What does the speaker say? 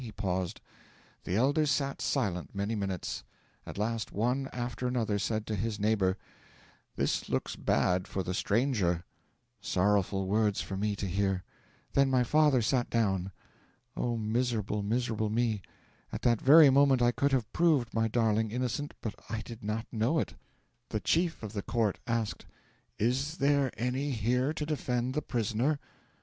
He paused. The elders sat silent many minutes; at last, one after another said to his neighbour, "This looks bad for the stranger" sorrowful words for me to hear. Then my father sat down. O miserable, miserable me! At that very moment I could have proved my darling innocent, but I did not know it! 'The chief of the court asked: '"Is there any here to defend the prisoner?"